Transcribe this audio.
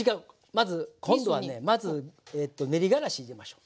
まず。今度はねまず練りがらし入れましょう。